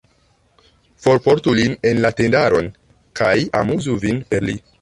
Forportu lin en la tendaron, kaj amuzu vin per li.